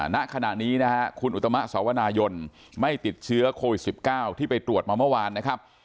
ณขณะนี้นะฮะคุณอุตมะสวนายนไม่ติดเชื้อโควิด๑๙ที่ไปตรวจมาเมื่อวานนะครับ